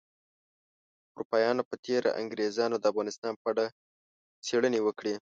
اروپایانو په تیره انګریزانو د افغانستان په اړه څیړنې وکړې